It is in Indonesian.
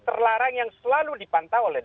terlarang yang selalu dipantau oleh